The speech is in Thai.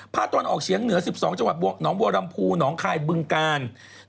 ตอนออกเฉียงเหนือ๑๒จังหวัดหนองบัวลำพูหนองคายบึงกาล